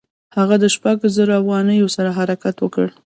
هغه د شپږو زرو اوغانانو سره حرکت وکړ.